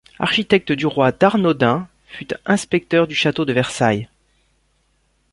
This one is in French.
Architecte du roi, Darnaudin fut inspecteur du château de Versailles.